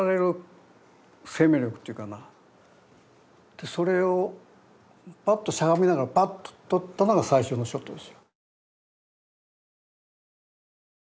でそれをパッとしゃがみながらバッと撮ったのが最初のショットですよ。